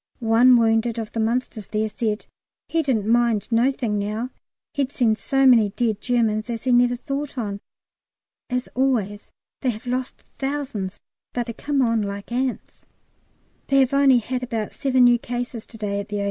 One wounded of the Munsters there said he didn't mind nothink now, he'd seen so many dead Germans as he never thought on. As always, they have lost thousands, but they come on like ants. They have only had about seven new cases to day at the O.